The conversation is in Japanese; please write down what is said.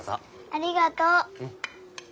ありがとう。